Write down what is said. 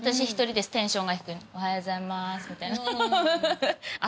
おはようございますみたいな。